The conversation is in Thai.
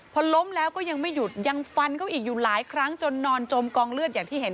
พอล้มแล้วก็ยังไม่หยุดยังฟันเขาอีกอยู่หลายครั้งจนนอนจมกองเลือดอย่างที่เห็น